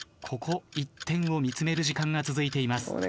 ここ一点を見つめる時間が続いています。